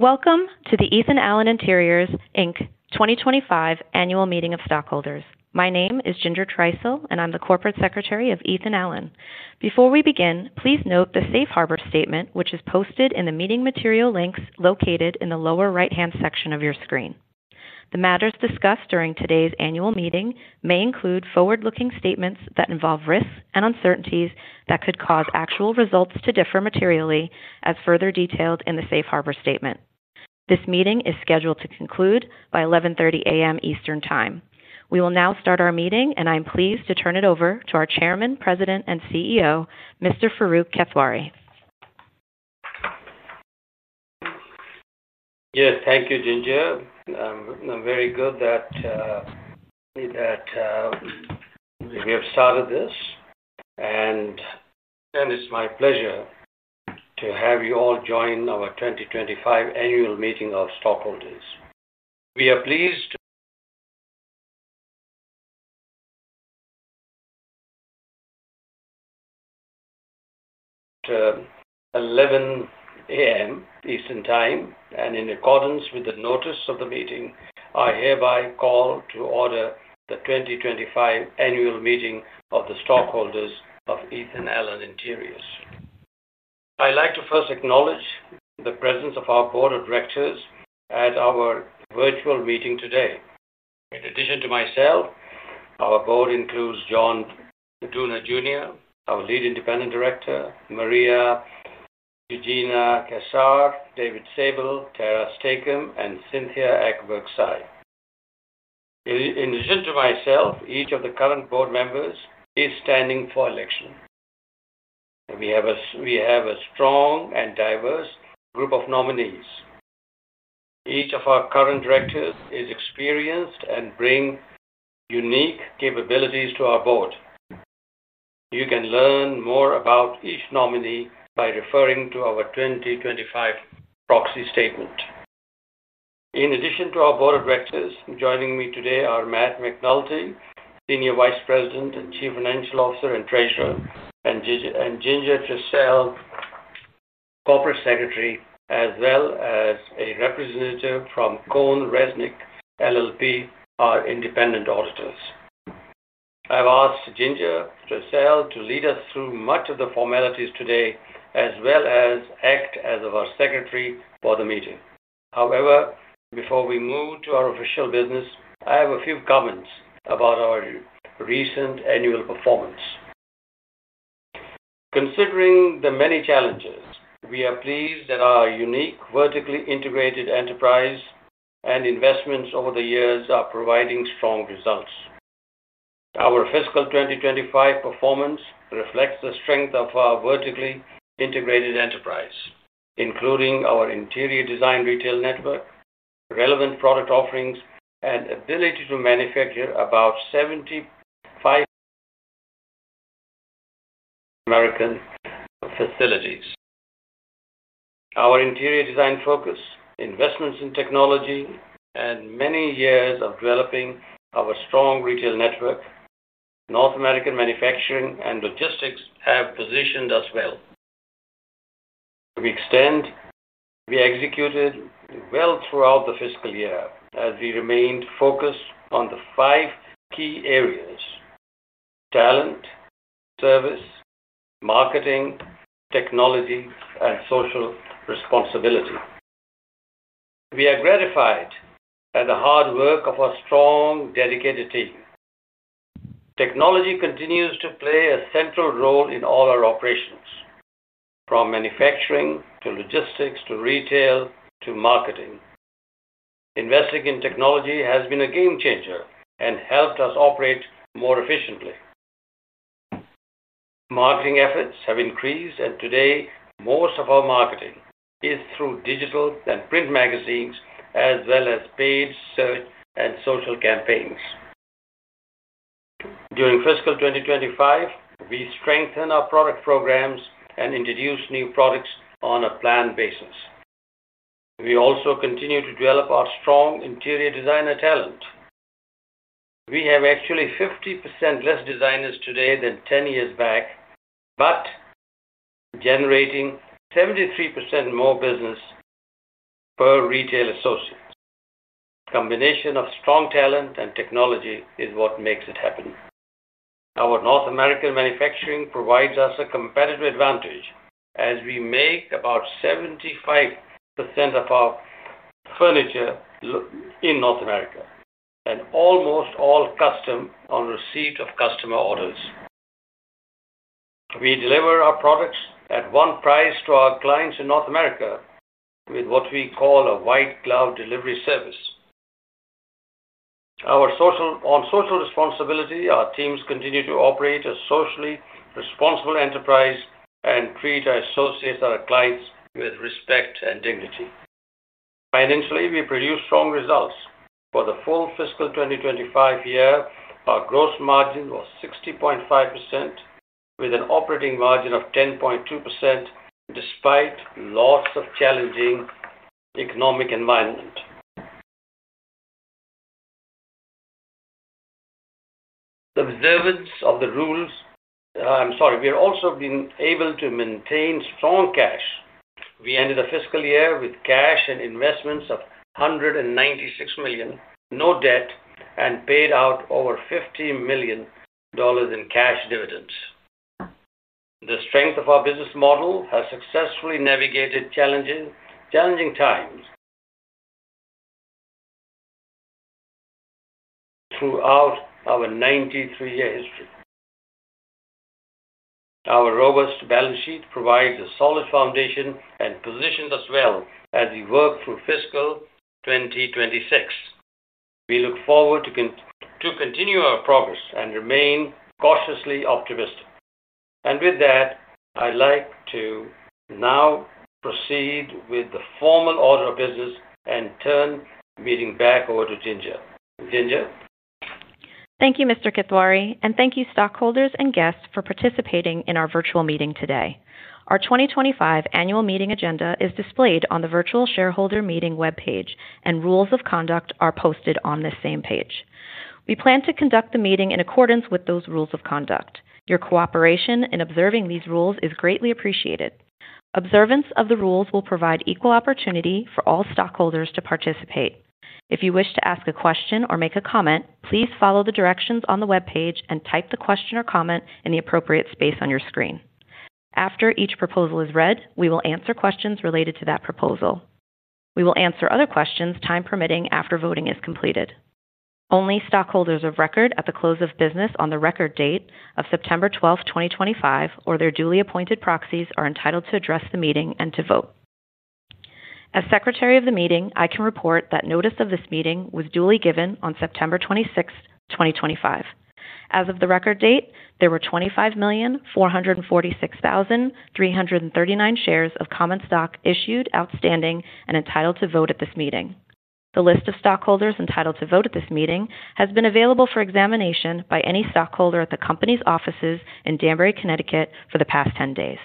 Welcome to the Ethan Allen Interiors Inc. 2025 Annual Meeting of Stockholders. My name is Ginger Tricele, and I'm the Corporate Secretary of Ethan Allen. Before we begin, please note the Safe Harbor Statement, which is posted in the meeting material links located in the lower right-hand section of your screen. The matters discussed during today's annual meeting may include forward-looking statements that involve risks and uncertainties that could cause actual results to differ materially, as further detailed in the Safe Harbor Statement. This meeting is scheduled to conclude by 11:30 A.M. Eastern Time. We will now start our meeting, and I'm pleased to turn it over to our Chairman, President, and CEO, Mr. Farooq Kathwari. Yes, thank you, Ginger. I'm very glad that we have started this, and it's my pleasure to have you all join our 2025 Annual Meeting of Stockholders. We are pleased. At 11:00 A.M. Eastern Time, and in accordance with the notice of the meeting, I hereby call to order the 2025 Annual Meeting of the Stockholders of Ethan Allen Interiors. I'd like to first acknowledge the presence of our Board of Directors at our virtual meeting today. In addition to myself, our Board includes John Dooner, Jr., our Lead Independent Director, Maria Eugenia Casar, David Sable, Tara Stacom, and Cynthia Ekberg Tsai. In addition to myself, each of the current Board members is standing for election. We have a strong and diverse group of nominees. Each of our current directors is experienced and brings unique capabilities to our Board. You can learn more about each nominee by referring to our 2025 Proxy Statement. In addition to our Board of Directors, joining me today are Matt McNulty, Senior Vice President and Chief Financial Officer and Treasurer, and Ginger Tricele, Corporate Secretary, as well as a representative from CohnReznick LLP, our independent auditors. I've asked Ginger Tricele to lead us through much of the formalities today, as well as act as our Secretary for the meeting. However, before we move to our official business, I have a few comments about our recent annual performance. Considering the many challenges, we are pleased that our unique vertically integrated enterprise and investments over the years are providing strong results. Our fiscal 2025 performance reflects the strength of our vertically integrated enterprise, including our interior design retail network, relevant product offerings, and ability to manufacture about 75 American facilities. Our interior design focus, investments in technology, and many years of developing our strong retail network, North American manufacturing, and logistics have positioned us well to extend. We executed well throughout the fiscal year as we remained focused on the five key areas: talent, service, marketing, technology, and social responsibility. We are gratified at the hard work of our strong, dedicated team. Technology continues to play a central role in all our operations, from manufacturing to logistics to retail to marketing. Investing in technology has been a game changer and helped us operate more efficiently. Marketing efforts have increased, and today most of our marketing is through digital and print magazines, as well as paid search and social campaigns. During fiscal 2025, we strengthen our product programs and introduce new products on a planned basis. We also continue to develop our strong interior designer talent. We have actually 50% less designers today than 10 years back. But generating 73% more business per retail associates. The combination of strong talent and technology is what makes it happen. Our North American manufacturing provides us a competitive advantage as we make about 75% of our furniture in North America and almost all custom on receipt of customer orders. We deliver our products at one price to our clients in North America with what we call a white glove delivery service. On social responsibility, our teams continue to operate as a socially responsible enterprise and treat our associates and our clients with respect and dignity. Financially, we produce strong results. For the full fiscal 2025 year, our gross margin was 60.5% with an operating margin of 10.2% despite lots of challenging economic environment. Observance of the rules, I'm sorry, we have also been able to maintain strong cash. We ended the fiscal year with cash and investments of $196 million, no debt, and paid out over $50 million in cash dividends. The strength of our business model has successfully navigated challenging times throughout our 93-year history. Our robust balance sheet provides a solid foundation and positions us well as we work through fiscal 2026. We look forward to continue our progress and remain cautiously optimistic. With that, I'd like to now proceed with the formal order of business and turn the meeting back over to Ginger. Ginger. Thank you, Mr. Kathwari, and thank you, stockholders and guests, for participating in our virtual meeting today. Our 2025 Annual Meeting agenda is displayed on the Virtual Shareholder Meeting webpage, and rules of conduct are posted on this same page. We plan to conduct the meeting in accordance with those rules of conduct. Your cooperation in observing these rules is greatly appreciated. Observance of the rules will provide equal opportunity for all stockholders to participate. If you wish to ask a question or make a comment, please follow the directions on the webpage and type the question or comment in the appropriate space on your screen. After each proposal is read, we will answer questions related to that proposal. We will answer other questions time permitting after voting is completed. Only stockholders of record at the close of business on the record date of September 12th, 2025, or their duly appointed proxies are entitled to address the meeting and to vote. As Secretary of the Meeting, I can report that notice of this meeting was duly given on September 26th, 2025. As of the record date, there were 25,446,339 shares of common stock issued, outstanding, and entitled to vote at this meeting. The list of stockholders entitled to vote at this meeting has been available for examination by any stockholder at the company's offices in Danbury, Connecticut, for the past 10 days.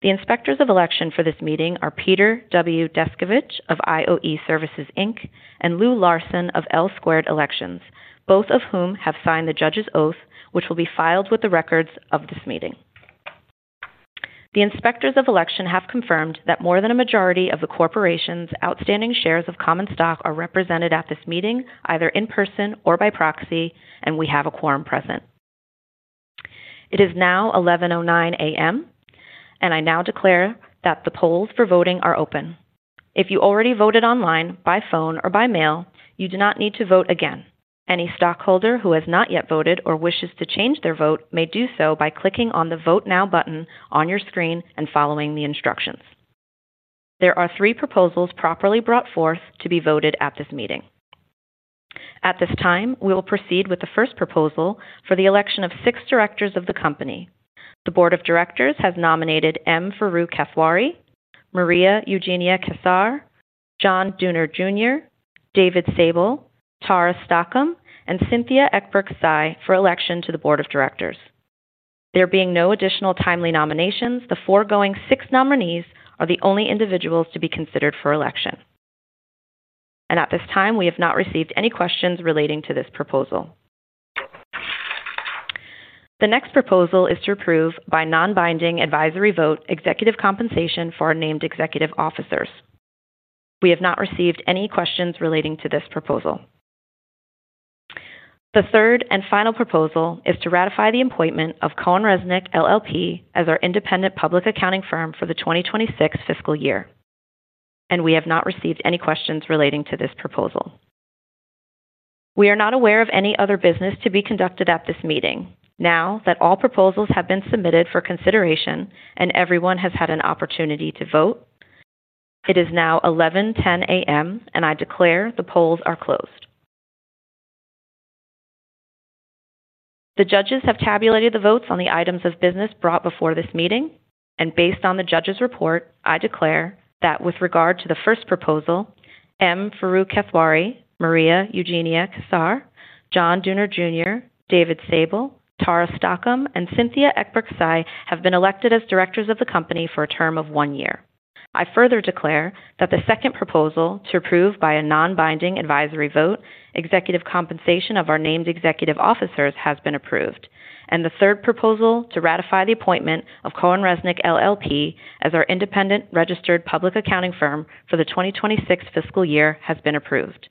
The inspectors of election for this meeting are Peter W. Descovich of IOE Services, Inc. and Lou Larson of L Squared Elections, both of whom have signed the judge's oath, which will be filed with the records of this meeting. The inspectors of election have confirmed that more than a majority of the corporation's outstanding shares of common stock are represented at this meeting either in person or by proxy, and we have a quorum present. It is now 11:09 A.M., and I now declare that the polls for voting are open. If you already voted online, by phone, or by mail, you do not need to vote again. Any stockholder who has not yet voted or wishes to change their vote may do so by clicking on the Vote Now button on your screen and following the instructions. There are three proposals properly brought forth to be voted at this meeting. At this time, we will proceed with the first proposal for the election of six directors of the company. The Board of Directors has nominated M. Farooq Kathwari, Maria Eugenia Casar, John Dooner, Jr., David Sable, Tara Stacom, and Cynthia Ekberg Tsai for election to the Board of Directors. There being no additional timely nominations, the foregoing six nominees are the only individuals to be considered for election. At this time, we have not received any questions relating to this proposal. The next proposal is to approve by non-binding advisory vote executive compensation for our named executive officers. We have not received any questions relating to this proposal. The third and final proposal is to ratify the appointment of CohnReznick LLP as our independent public accounting firm for the 2026 fiscal year. We have not received any questions relating to this proposal. We are not aware of any other business to be conducted at this meeting. Now that all proposals have been submitted for consideration and everyone has had an opportunity to vote. It is now 11:10 A.M., and I declare the polls are closed. The judges have tabulated the votes on the items of business brought before this meeting, and based on the judge's report, I declare that with regard to the first proposal, M. Farooq Kathwari, Maria Eugenia Casar, John Dooner, Jr., David Sable, Tara Stacom, and Cynthia Ekberg Tsai have been elected as directors of the company for a term of one year. I further declare that the second proposal to approve by a non-binding advisory vote executive compensation of our named executive officers has been approved, and the third proposal to ratify the appointment of CohnReznick LLP as our independent registered public accounting firm for the 2026 fiscal year has been approved.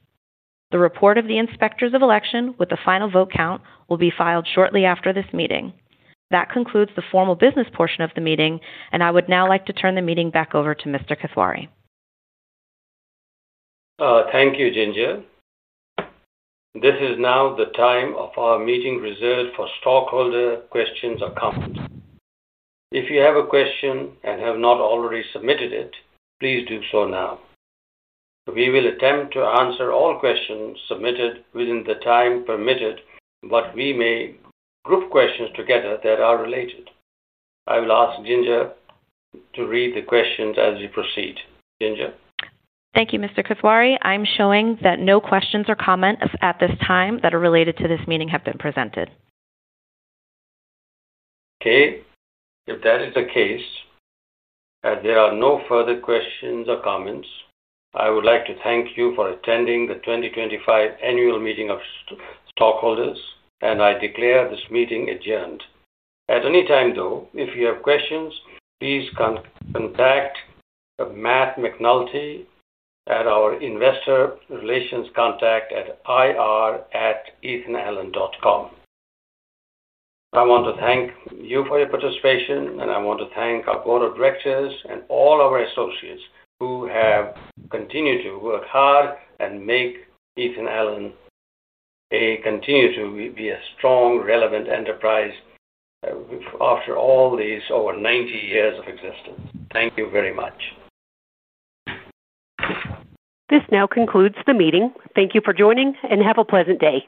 The report of the inspectors of election with the final vote count will be filed shortly after this meeting. That concludes the formal business portion of the meeting, and I would now like to turn the meeting back over to Mr. Kathwari. Thank you, Ginger. This is now the time of our meeting reserved for stockholder questions or comments. If you have a question and have not already submitted it, please do so now. We will attempt to answer all questions submitted within the time permitted, but we may group questions together that are related. I will ask Ginger to read the questions as we proceed. Ginger. Thank you, Mr. Kathwari. I'm showing that no questions or comments at this time that are related to this meeting have been presented. Okay. If that is the case, as there are no further questions or comments, I would like to thank you for attending the 2025 Annual Meeting of Stockholders, and I declare this meeting adjourned. At any time, though, if you have questions, please contact Matt McNulty at our investor relations contact at ir@ethanallen.com. I want to thank you for your participation, and I want to thank our Board of Directors and all our associates who have continued to work hard and make Ethan Allen continue to be a strong, relevant enterprise after all these over 90 years of existence. Thank you very much. This now concludes the meeting. Thank you for joining, and have a pleasant day.